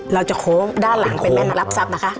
โค้งด้านหลังเป็นแม่นรับทรัพย์นะคะ